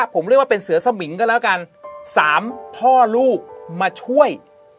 ผมเรียกว่าเป็นเสือสมิงก็แล้วกัน๓พ่อลูกมาช่วย